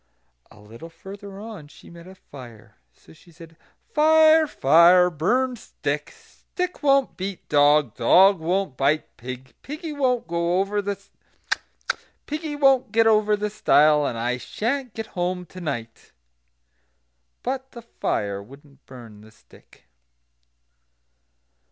A little further on she met a fire. So she said: "Fire! fire! burn stick! stick won't beat dog; dog won't bite pig; piggy won't get over the stile; and I sha'n't get home to night." But the fire wouldn't burn the stick.